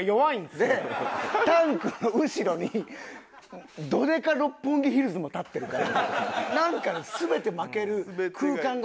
でタンクの後ろにどでか六本木ヒルズも立ってるからなんか全て負ける空間が。